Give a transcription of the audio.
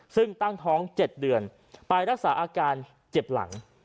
ซึ่งตั้งท้อง๗เดือนไปรักษาอาการเจ็บหลัง